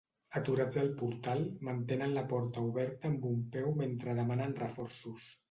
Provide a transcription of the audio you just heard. Aturats al portal, mantenen la porta oberta amb un peu mentre demanen reforços.